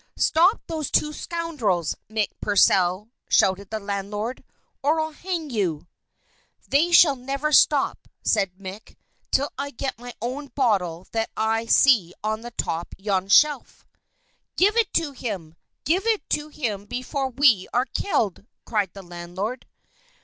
"Stop those two scoundrels, Mick Purcell," shouted the landlord, "or I'll hang you!" "They shall never stop," said Mick, "till I get my own bottle that I see on top of yon shelf." "Give it to him! Give it to him, before we are killed!" cried the landlord.